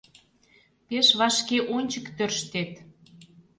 — Пеш вашке ончык тӧрштет...